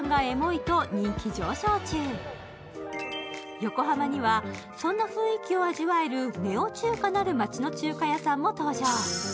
横浜にはそんな雰囲気を味わえるネオ中華なる街の中華屋さんも登場。